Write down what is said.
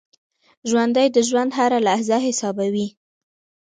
ژوندي د ژوند هره لحظه حسابوي